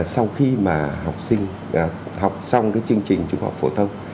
sau khi mà học sinh học xong chương trình trung học phổ thông